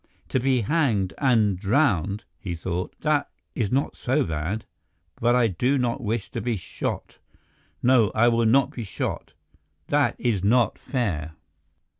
"To be hanged and drowned," he thought, "that is not so bad; but I do not wish to be shot. No; I will not be shot; that is not fair."